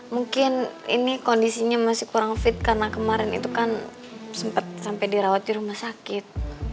mungkin ini kondisinya masih kurang fit karena kemarin itu kan sempat sampai dirawat di rumah sakit